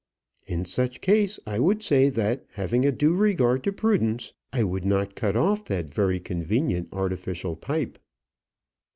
"In such case I would say, that having a due regard to prudence, I would not cut off that very convenient artificial pipe."